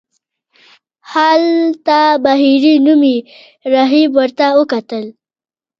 هلته بهیري نومې راهب ورته وکتل.